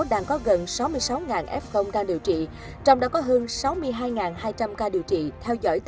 đang có gần sáu mươi sáu f đang điều trị trong đó có hơn sáu mươi hai hai trăm linh ca điều trị theo dõi